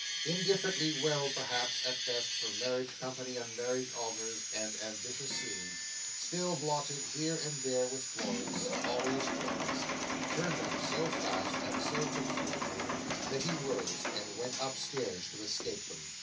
Indifferently well, perhaps, at best; for marriage company and marriage altars, and ambitious scenes—still blotted here and there with Florence—always Florence—turned up so fast, and so confusedly, that he rose, and went upstairs to escape them.